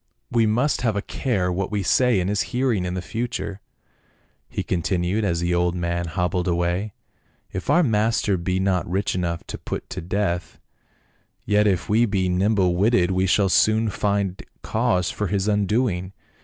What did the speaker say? " We must have a care what we say in his hearing in the future," he continued, as the old man hobbled away ;" if our master be not rich enough to put to death, yet if we be nimble witted we shall soon find cause for his undoing.